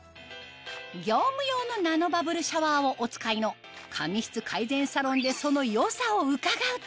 業務用のナノバブルシャワーをお使いの髪質改善サロンでその良さを伺うと